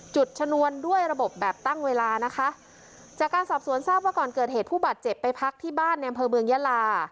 ชนวนด้วยระบบแบบตั้งเวลานะคะจากการสอบสวนทราบว่าก่อนเกิดเหตุผู้บาดเจ็บไปพักที่บ้านในอำเภอเมืองยาลา